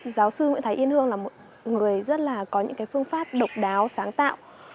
giáo sư nguyễn thái yên hương là một người rất là có những cái phương pháp độc đáo sáng tạo